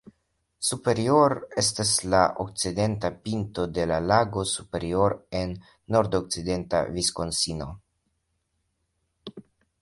Superior estas sur la okcidenta pinto de la lago Superior en nordokcidenta Viskonsino.